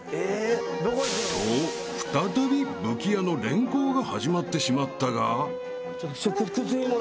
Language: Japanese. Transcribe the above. ［と再び武器屋の連行が始まってしまったが］